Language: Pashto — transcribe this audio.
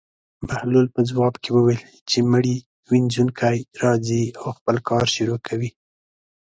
بهلول په ځواب کې وویل: چې مړي وينځونکی راځي او خپل کار شروع کوي.